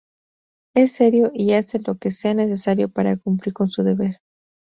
Es serio y hace lo que sea necesario para cumplir con su deber.